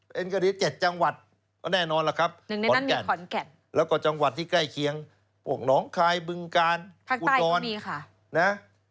บวกน้องคายบึงกาญอุดรรณ์ภาคใต้ก็มีค่ะ